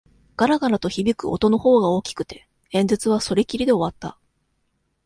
がらがらと響く音のほうが大きくて、演説はそれきりで終わった。